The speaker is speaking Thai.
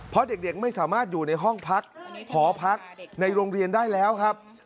เพราะเด็กไม่สามารถอยู่ในห้องพักหอพักในโรงเรียนได้แล้วครับ